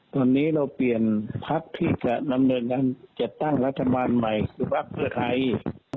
ตอนนี้เราเปลี่ยนพักที่จะจัดตั้งรัชมานใหม่คือภักด์เกือบไทย